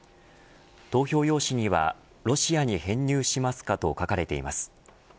投票用紙にはロシアに編入しますかと書かれています。